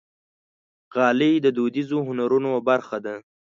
غالۍ د دودیزو هنرونو برخه ده.